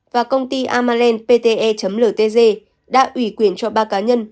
và công ty amalend pte ltg đã ủy quyền cho ba cá nhân